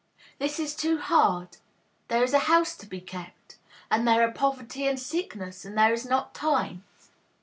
This is too hard? There is the house to be kept? And there are poverty and sickness, and there is not time?